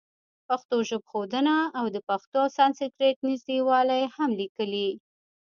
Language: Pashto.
پښتو ژبښودنه او د پښتو او سانسکریټ نزدېوالی هم لیکلي.